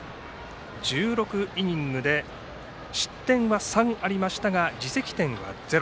１６イニングで失点は３ありましたが自責点はゼロ。